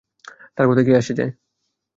তার কথায় কী আসে যায়!